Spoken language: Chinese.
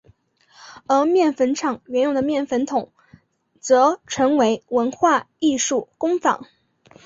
而面粉厂原有的面粉筒则成为文化艺术工坊。